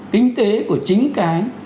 kinh tế của chính cái